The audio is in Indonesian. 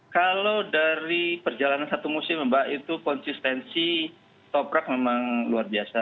kalau dari perjalanan satu musim mbak itu konsistensi toprak memang luar biasa